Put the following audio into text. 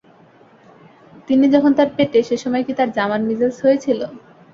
তিন্নি যখন তাঁর পেটে, সে-সময় কি তাঁর জামান মিজেলস হয়েছিল?